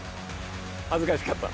恥ずかしかった？